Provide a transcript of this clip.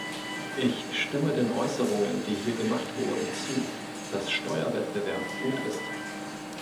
Ich stimme den Äußerungen, die hier gemacht wurden, zu, dass Steuerwettbewerb gut ist.